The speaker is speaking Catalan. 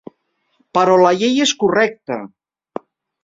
Però la llei és correcta.